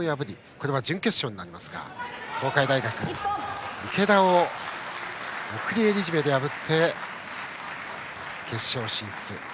こちらは準決勝ですが東海大学の池田を送り襟絞めで破って決勝進出。